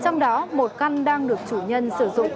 trong đó một căn đang được chủ nhân sử dụng